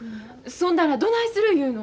そんならどないする言うの？